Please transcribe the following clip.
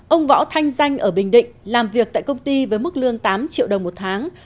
ông võ thanh danh ở bình định làm việc tại công ty với mức lương tám triệu đồng một tháng